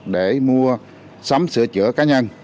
để mua sắm sửa chữa cá nhân